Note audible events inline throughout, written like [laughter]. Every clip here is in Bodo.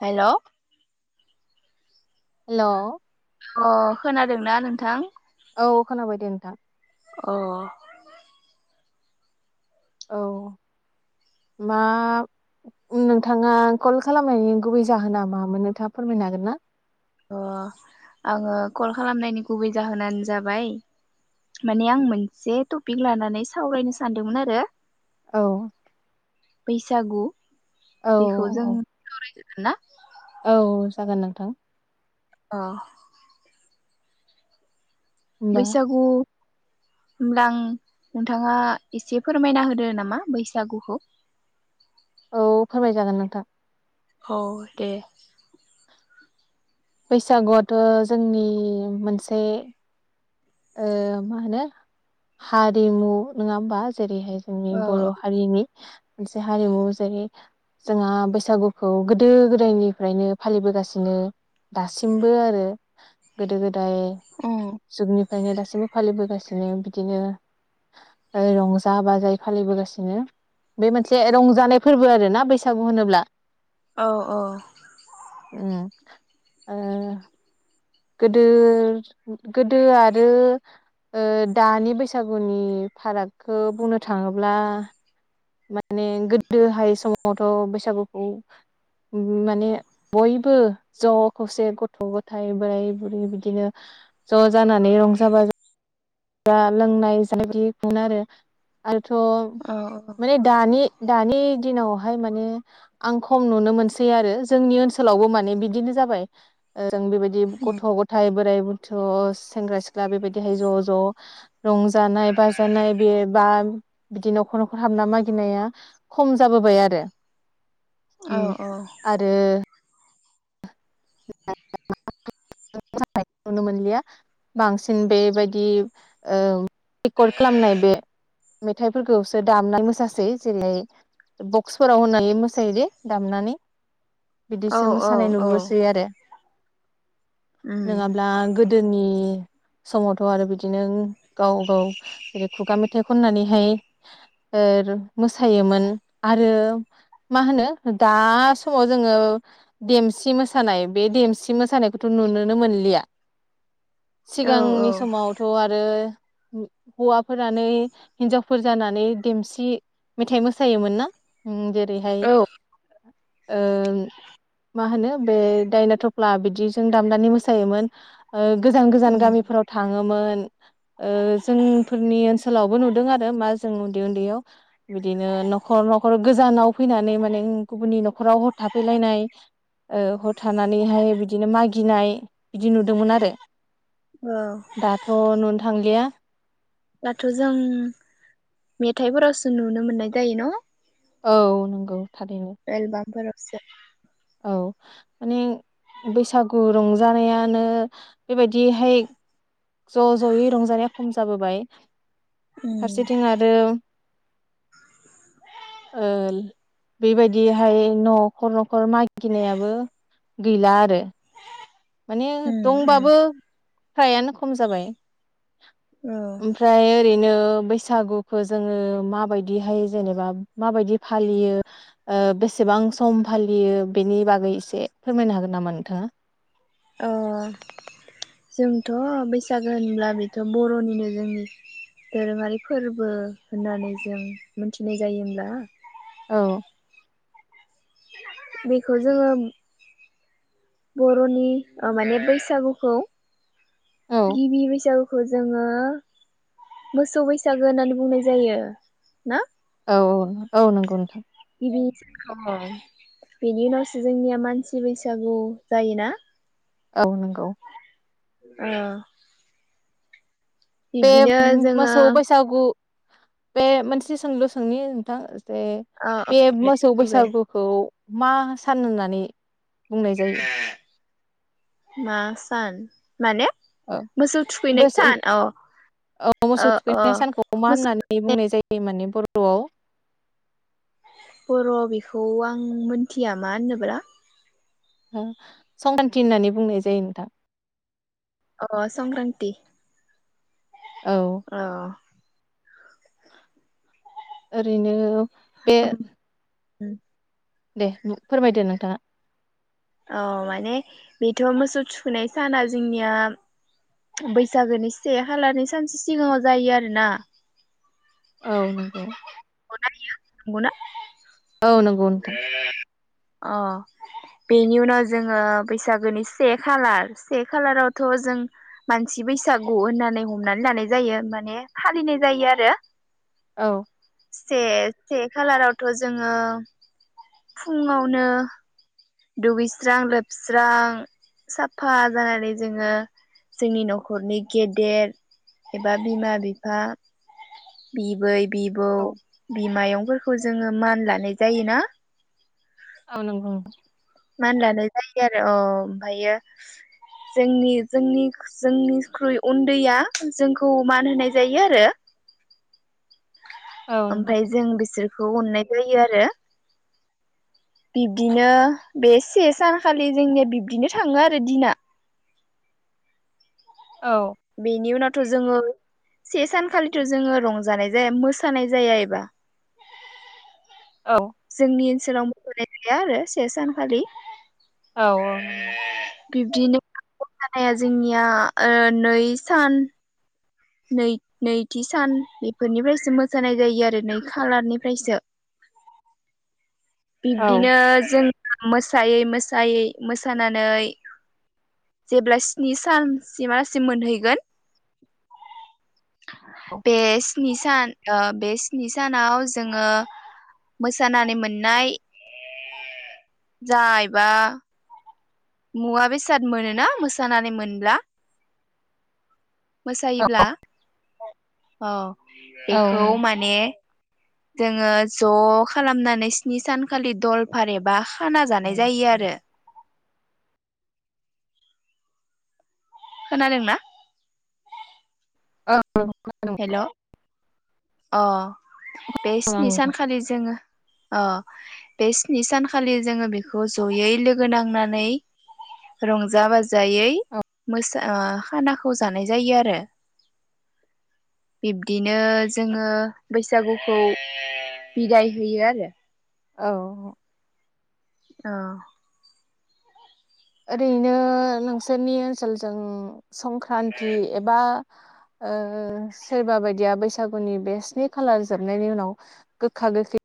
हेल' हेलौ अ खोनादोंना नोंथां औ खोनाबाय दे नोंथां अ औ मा नोंथाङा कल खालामनायनि गुबै जाहोना मा मोन नोंथाङा फोरमायनो हागोन ना अ आङो कल खालामनायनि गुबै जाहोनानो जाबाय माने आं मोनसे टपिक लानानै सावरायनो सानदोंमोन आरो औ बैसागु औ औ हागोनना औ जागोन नोंथां अ होमबा बैसागु होमब्ला आं नोंथाङा एसे फोरमायना होदो नामा बैसागुखौ औ फोरमाय जागोन नोंथां औ दे बैसागुआथ' जोंनि मोनसे ओ मा होनो हारिमु नोङा होमबा जेरैहाय जोंनि औ बर' हारिनि मोनसे हारिमु जेरै जोंहा बैसागुखौ गोदो गोदायनिफ्रायनो फालिबोगासिनो दासिमबो आरो गोदो गोदाय औ जुगनि फ्रायनो दासिमबो फालिबोगासिनो बिदिनो रंजा बाजायै फालिबोगासिनो बे मोनसे रंजानाय फोरबो आरो ना बैसागु होनोब्ला औ औ उम आ गोदो गोदो आरो ओ दानि बैसागुनि फारागखौ बुंनो थाङोब्ला माने गोदोहाय समावथ' बैसागुखौ माने बयबो ज' खौसे गथ' गथाय बोराय बुरै बिदिनो ज' जानानै रंजा बा जा लोंनाय जानाय बिदि आरो थ' औ माने दानि दानि दिनाव हाय माने आं खम नुनो मोनसै आरो जोंनि ओनसोलावबो बिदिनो जाबाय ओ जों बेबायदि गथ' गथाय बोराय बु थ' सेंग्रा सिख्ला बेबायदिहाय ज' ज' रंजानाय बाजानाय बे बा बिदि न'खर न'खर हाबना मागिनाया खम जाबोबाय आरो औ ओम आरो [unintelligible] नुनो मोनलिया बांसिन बेबायदि ओ रेकर्ड खालामनाय बे मेथाइफोरखौसो दामनानै मोसासै जेरैहाय बक्सफोराव होननानै मोसायो दे दामनानै औ बिदिसो मोसानाय औ नुबोसै आरो नङाब्ला गोदोनि समावथ' आरो बिदिनो गाव गाव जेरै खुगा मेथाइ खननानैहाय मोसायोमोन आरो मा होनो दा समाव जोङो देमसि मोसानाय बे देमसि सि मोसानायखौथ' नुुनोनो मोनलिया। औ सिगांनि औ समावथ' आरो हौवाफोरानो हिन्जावफोर जानानै देमसि मेथाइ मोसायोमोन ना ओरैहाय औ ओ मा होनो बे दायना थ ला बिदि जों दामनानै मोसायोमोन। गोजान गोजान गामिफोराव थाङोमोन। जोंफोरनि ओनसोलावबो नुदों आरो मा जों उन्दै उन्दैयाव बिदिनो न'खर न'खर गोजानाव फैनानै माने गुबुननि न'खराव हर थाफैलायनाय हरथानानै हाय बिदिनो मागिनाय बिदि नुदोंमोन आरो। दाथ' नुनो थांलिया। दाथ' जों मेथाइफोरावसो नुनो मोननाय जायो न औ नंगौ थारैनो एलबामफोराव से औ माने बैसागु रंजानायानो बेबायदिहाय ज' ज'यै रंजानाया खम जाबोबाय। उम फारसेथिं आरो ओ बेबायदिहाय न'खर न'खर माइ गिनायाबो गैला आरो माने उम उम दंबाबो औ ओमफ्राय ओरैनो बैसागुखौ जोङो माबायदिहाय जेनेबा माबायदि फालियो ओ बेसेबां सम फालियो बेनि बागै एसे फोरमायनो हागोन नामा नोंथाङा? अ जोंथ' बैसागो होनब्ला बेथ' बर'निनो जोंनि दोरोङारि फोरबो होननानै जों मिथिनाय जायो होमब्ला। औ बेखौ जोङो बर'नि ओ माने बैसागुखौ औ गिबि बैसागुखौ जोङो मोसौ बैसागो होननानै बुंनाय जायो ना औ औ औ नंगौ नोंथां औ बेनि उनावसो जोंनिया मानसि बैसागु जायोना। औ नंगौ अ बे जोङो मोसौ औ बोसागु बे मोनसे सोंलु सोंनि नोंथां बे औ बे दे मोसौ बुंलाय बैसागुखौ मा सान होननानै बुंनाय जायो? मा सान? माने ओ मोसौ थुखैनाय मोसौ सान औ औ मोसौ ओ ओ थुखैनाय सानखौ मा मोसौ होननानै बुंनाय जायो माने बर'वाव बर' बेखौ आं मोनथिया मा होनोब्रा संख्रान्ति होननानै बुंनाय जायो नोंथां अ संक्रान्ति औ ओरैनो बे उम दे फोरमायदो नोंथाङा औ माने बेथ' मोसौ थुखैनाय साना जोंनिया बैसागोनि से खालारनि सानसो सिगाङाव जायो आरोना औ नंगौ नंगौना औनो नंगौ नोंथा अ बेनि उनाव जोङो बैसागोनि से खालार से खालारावथ' जों मानसि बैसागु होननानै हमनानै लानाय जायो माने फालिनाय जायो आरो औ से से खालारावथ' जोङो फुङावनो दुगैस्रां लोबस्रां साफा जानानै जोङो जोंनि न'खरनि गेदेर एबा बिमा बिफा बिबै बिबौ औ बिमायं फोर जोङो मान लानाय जायोना औ नंगौ मान लानाय जायो आरो अ ओमफ्रायो जोंनि जोंनि जोंनिख्रुइ उन्दैया जोंखौ मान होनाय जायो आरो औ नंगौ ओमफ्राय जों बिसोर बेखौ अननाय जायो आरो बिब्दिनो बे से सानखालि जोंनिया बिब्दिनो थाङो आरो दिना औ बेनि उनानो थ जोङो से सानखालिथ' जोङो रंजानाय जाया मोसानाय जाया एबा औ जोंनि ओनसोलाव मोस'नाय थाया आरो से सानखालि औ औ बिब्दिनो मोसानाया जोंनिया ओ नै सान नै नैथि सान बेफोरनिफ्रायसो मोसानाय जायो आरो नै खालारनिफ्रायसो औ बिब्दिनो जों मोसायै मोसायै मोसानानै जेब्ला स्नि सानसिमलासिम मोनहैगोन बे स्नि सान ओ बे स्नि सानाव जोङो मोसानानै मोन नाय जायबा मुवा बेसाद मोनोना मोसानानै मोनब्ला मोसायोब्ला अ औ बेखौ नंगौ माने जोङो ज' खालामनानै स्नि सानखालि दलफोर एबा खाना जानाय जायो आरो खोनादोंना ओ औ हेल' [unintelligible] अ बे औ स्नि नोंथां सानखालि जोङो अ बे स्नि सानखालि जोङो बेखौ जयै लोगो नांनानै रंजा बाजायै औ मोसा खानाखौ जानाय जायो आरो बिब्दिनो जोङो बैसागुखौ बिदाय होयो आरो औ अ ओरैनो नोंसोरनि ओनसोलजों संक्रान्ति एबा ओ सोरबा बायदिया बैसागुनि बे स्नि खालार जोबनायनि उनाव गोखा गोखै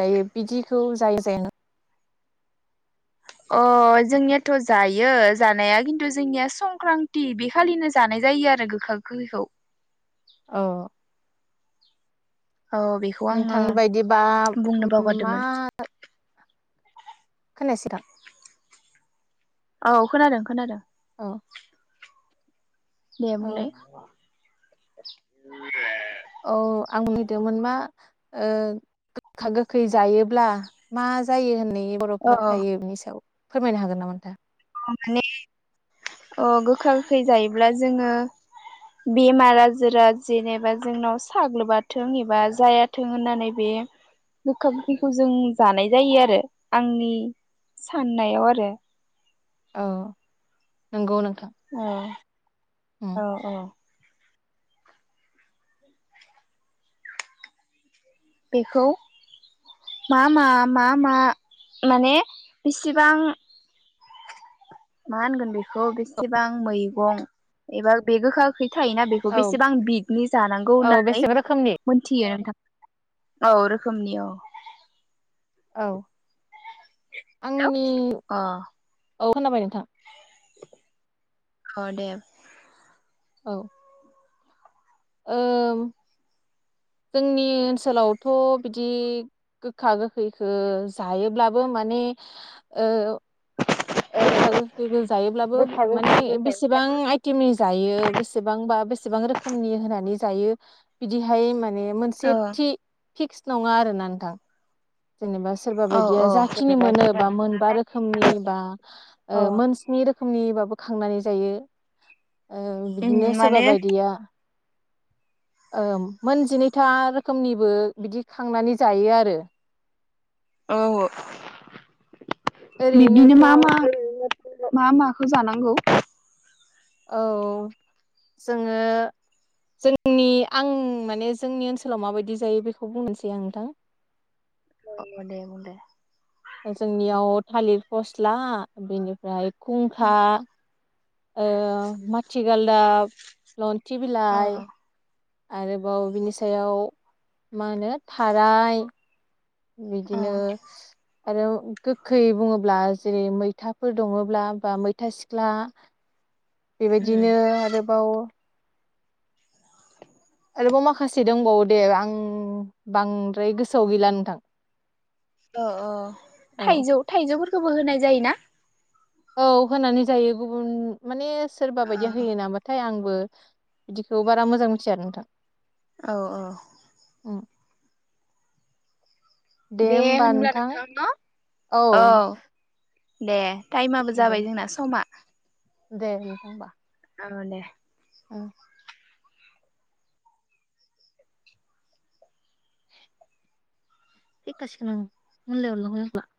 जायो बिदिखौ जाय जाय अ जोंनियाथ जायो जानाया खिन्थु जोंनिया संक्रान्ति बे खालिनो जानाय जायो आरो गोखा गोखैखौ औ औ बेखौ आङो नोंथांनि बायदिबा बुंनो मा बावगारदोंमोन खोनायासिथां औ खोनादों खोनादों औ दे औ बुंलाय उ [inaudible] औ आं नै [unintelligible] दोंमोन मा ओ गोखा गोखै जायोब्ला मा जायो होनना औ बर'फोरा थायो बिनि सायाव फोरमायनो हागोन नामा नोंथां माने अ गोखा गोखै जायोब्ला जोङो बेमार आजारा जेनेबा जोंनाव साग्लोबाथों एबा जायाथों होननानै बे गोखा गोखैखौ जों जानाय जायो आरो आंनि साननायाव आरो औ नंगौ नों ओं औ औ बेखौ मा मा मा मा माने बिसिबां मा होनगोन बेखौ बेसेबां मैगं एबा बे गोखा गोखै थायोना बेखौ औ बेसेबां बिदनि जानांगौ औ होननानै बेसेबां रोखोमनि? मोनथियो नोंथां औ रोखोमनि औ औ आंनि औ खोनाबाय नोंथां औ दे औ ओ जोंनि ओनसोलावथ बिदि गोखा गोखैखो जायोब्लाबो माने ओ गोखा गोखैखौ जायोब्लाबो गोखा माने गोखैखौ बेसेबां जायोब्लाबो आइटेमनि जायो बेसेबांबा बेसेबां रोखोमनि होनानै जायो बिदिहाय माने माने मोनसे थि फिक्स नङा आरो ना नोंथां जेनेबा सोरबा औ बायदिया औ जाखिनि जेनेबा मोनो बा सोरबाबा मोनबा रोखोमनि बा अ ओ मोनस्नि रोखोमनि बा बो खांनानै जायो ओ उम बिदिनो माने सोरबा बायदिया ओ मोनजिनै था रोखोमनिबो बिदि खांनानै जायो आरो औ बिब्दिनो ओरैनोथ' मा मा औ मा माखौ जानांगौ। औ जोङो जोंनि आं माने जोंनि ओनसोलाव माबायदि जायो बेखौ बुंनोसै आं नोंथां अ दे बुं दे जोंनियाव थालिर फस्ला बेनिफ्राय खुंखा आ माति गालदाब लन थि अ बिलाइ आरोबाव बिनि सायाव मा होनो थाराय अ बिदिनो आरो गोखै बुङोब्ला जेरै मैथाफोर दङ ब्ला बा मैथा सिख्ला उम बेबायदिनो आरोबाव आरोबाव माखासे दंबावो दे आं बांद्राय गोसोआव गैला नोंथां अ अ औ थाइजौ थाइजौफोर खौबो होनाय जायोना? औ होनानै जायो गुबुन माने सोरबा बायदि होयो नामा थाय आं बो बिदिखौ बारा मोजां मिथिया नोंथां औ औ अ दे होनब्ला नोंथां न औ दे। टाइमाबो दे जाबाय जोंना समा दे नोंथां होमबा जागोन दे औ थैखासिगोन ओं [unintelligible]